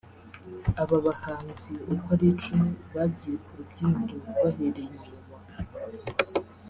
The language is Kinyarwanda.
Aba bahanzi uko ari icumi bagiye ku rubyiniro bahereye inyuma